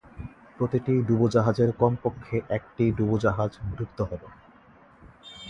প্রতিটি ডুবোজাহাজের কমপক্ষে একটি ডুবোজাহাজ ডুবতে হবে।